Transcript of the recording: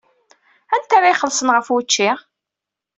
Anta ara ixellṣen ɣef wučči?